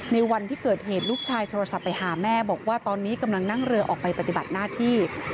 ในวันที่เกิดเหตุลูกชายโทรศัพท์ไปหาแม่บอกว่าตอนนี้กำลังนั่งเรือออกไปปฏิบัติหน้าที่